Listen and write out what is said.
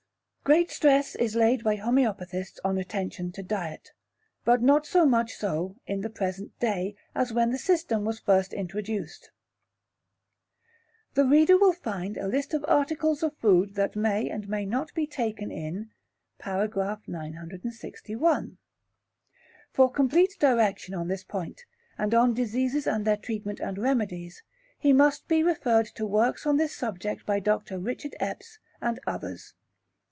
Great stress is laid by homeopathists on attention to diet, but not so much so in the present day as when the system was first introduced. The reader will find a list of articles of food that may and may not be taken in par. 961. For complete direction on this point, and on diseases and their treatment and remedies, he must be referred to works on this subject by Dr. Richard Epps and others.